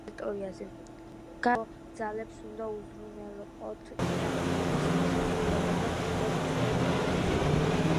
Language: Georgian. გაეროს სამშვიდობო ძალებს უნდა უზრუნველეყოთ შეთანხმების შესრულება და მშვიდობის დაცვა ბოსნიის ტერიტორიაზე.